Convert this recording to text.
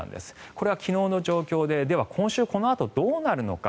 これは昨日の状況ででは、今週このあとどうなるのか。